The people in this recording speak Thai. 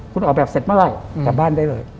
คุณออกแบบเสร็จเมื่อไหร่กลับบ้านได้เลย